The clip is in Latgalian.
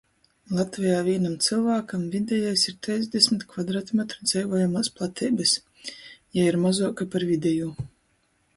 Latvejā vīnam cylvākam videjais ir treisdesmit kvadratmetru dzeivojamuos plateibys. Jei ir mozuoka par videjū.